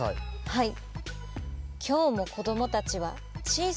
はい。